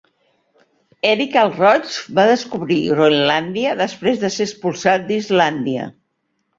Eric el Roig va descobrir Groenlàndia després de ser expulsat d'Islàndia.